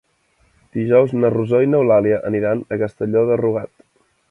Dijous na Rosó i n'Eulàlia aniran a Castelló de Rugat.